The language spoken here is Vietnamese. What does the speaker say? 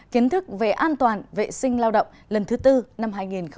kiến thức về an toàn vệ sinh lao động lần thứ tư năm hai nghìn hai mươi